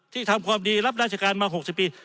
ทำความดีรับราชการมา๖๐ปี